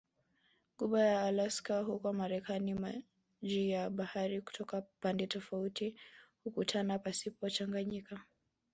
Ghuba ya Alaska huko Marekani maji ya bahari kutoka pande tofauti hukutana pasipo kuchanganyika